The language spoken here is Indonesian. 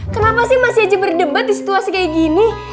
kenapa sih masih aja berdebat di situasi kayak gini